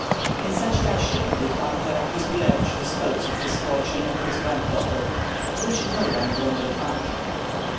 In such fashion did Pan Heraclius Billevich dispose of his fortune and his granddaughter, at which no one wondered much.